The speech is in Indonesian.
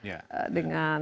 karena identik dengan